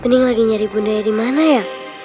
mending lagi nyari bundanya di mana ya